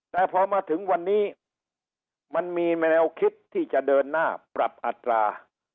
แต่พอมาถึงวันนี้มันมีแนวคิดที่จะเดินหน้าปรับอัตรา